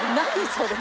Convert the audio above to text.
それ！